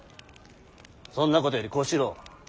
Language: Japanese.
そんなことより小四郎。